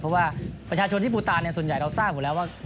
เพราะว่าประชาชนที่ปูตาส่วนใหญ่เราทราบอยู่แล้วว่า